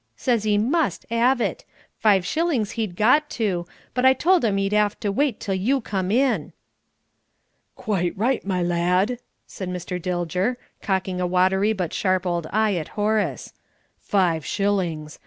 Says he must 'ave it. Five shillings he'd got to, but I told him he'd 'ave to wait till you come in." "Quite right, my lad!" said Mr. Dilger, cocking a watery but sharp old eye at Horace. "Five shillings!